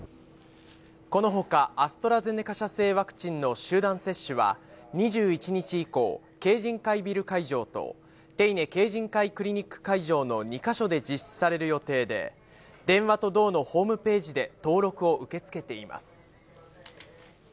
このほか、アストラゼネカ社製ワクチンの集団接種は２１日以降、渓仁会ビル会場と手稲渓仁会クリニック会場の２か所で実施される予定で、電話と道のホームページで登録を受け付けています。